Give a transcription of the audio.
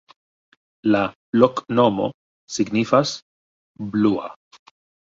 La loknomo signifas: blua.